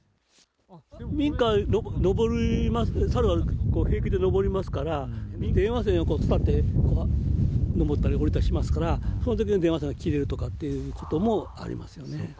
民家、登ります、サル、平気で登りますから、電話線を伝って登ったり下りたりしますから、そのときに電話線が切れるということもありますよね。